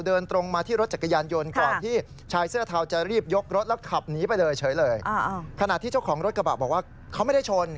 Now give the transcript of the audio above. เดินตรงมาที่รถจักรยานยนต์ก่อนที่ชายเสื้อเทา